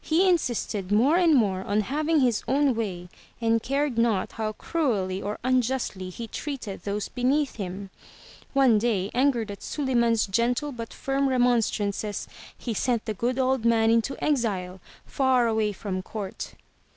He in sisted more and more on having his own way and cared not how cruelly or unjustly he treated those beneath him. One day, angered at Suliman's gentle but firm remonstrances, he sent the good old man into exile, far away from court.